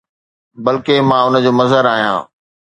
بلڪه، مان ان جو مظهر آهيان.